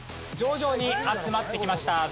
徐々に集まってきました。